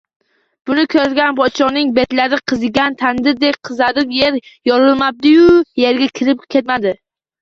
Buni ko‘rgan podshoning betlari qizigan tandirdek qizarib, yer yorilmabdi-yu, yerga kirib ketmabdi